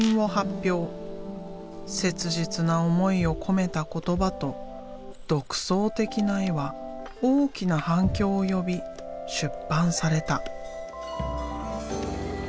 切実な思いを込めた言葉と独創的な絵は大きな反響を呼び出版された。